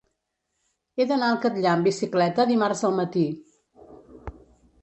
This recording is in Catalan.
He d'anar al Catllar amb bicicleta dimarts al matí.